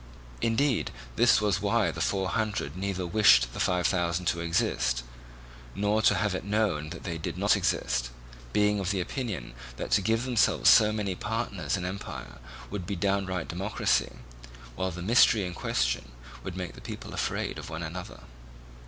Indeed this was why the Four Hundred neither wished the Five Thousand to exist, nor to have it known that they did not exist; being of opinion that to give themselves so many partners in empire would be downright democracy, while the mystery in question would make the people afraid of one another.